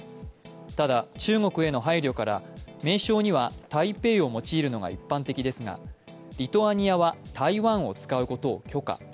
ただ、中国への配慮から名称には台北を用いるのが一般的ですが、リトアニアは台湾を使うことを許可。